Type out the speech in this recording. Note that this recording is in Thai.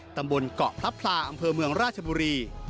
ตำบลเกาะพระพลาอำเภอเมืองราชบุรี